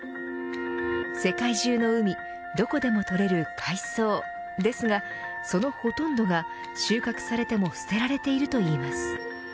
世界中の海どこでも採れる海藻ですがそのほとんどが収穫されても捨てられているといいます。